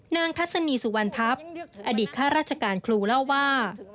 ทัศนีสุวรรณทัพอดีตข้าราชการครูเล่าว่า